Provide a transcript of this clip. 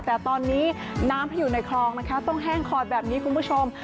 แต่ตอนนี้น้ำที่อยู่ในคลองนะคะต้องแห้งคอดแบบนี้คุณผู้ชม